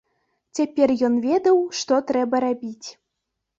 Цяпер ён ведаў, што трэба рабіць.